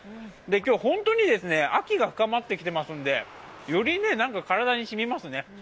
今日、本当に秋が深まってきていますのでより体に染みますね。